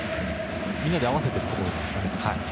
みんなで合わせているところですね。